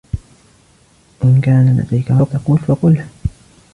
إن كان لديك ما تقول، فقُله.